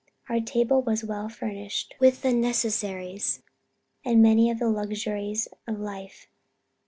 Our table was well furnished with the necessaries, and many of the luxuries of life.